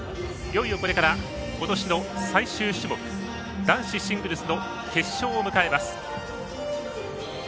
いよいよ、これからことしの最終種目男子シングルスの決勝を迎えます。